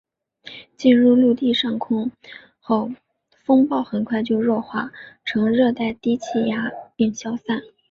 进入陆地上空后风暴很快就弱化成热带低气压并消散。